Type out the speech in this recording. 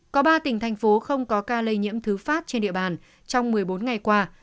có ba tỉnh thành phố không có ca lây nhiễm thứ phát trên địa bàn trong một mươi bốn ngày qua